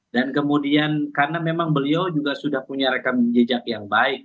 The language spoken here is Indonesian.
dan kemudian karena memang beliau juga sudah punya rekan jejak yang baik